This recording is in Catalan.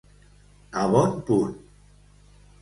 A bon punt.